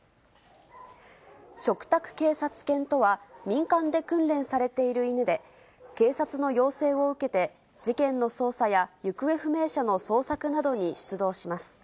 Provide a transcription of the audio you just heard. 嘱託警察犬とは、民間で訓練されている犬で、警察の要請を受けて、事件の捜査や、行方不明者の捜索などに出動します。